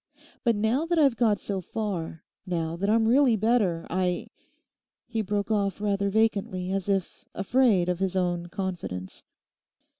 But now that I've got so far, now that I'm really better, I—' He broke off rather vacantly, as if afraid of his own confidence.